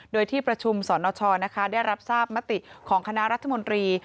โดยที่ประชุมสนชได้รับทราบมติของคณะรัฐมนตรี